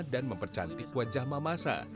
dan mempercantik wajah mamasa